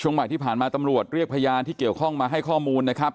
บ่ายที่ผ่านมาตำรวจเรียกพยานที่เกี่ยวข้องมาให้ข้อมูลนะครับ